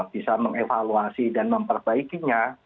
bisa mengevaluasi dan memperbaikinya